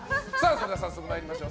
早速、参りましょう。